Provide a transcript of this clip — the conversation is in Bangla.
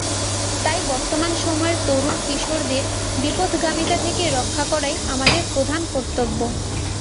তাই বর্তমান সময়ের তরুণ-কিশোরদের বিপথগামিতা থেকে রক্ষা করাই আমাদের প্রধান কর্তব্য।